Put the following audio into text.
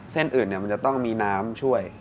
เส้นอื่นมันจะต้องมีน้ำช่วย